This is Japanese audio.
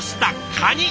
カニ！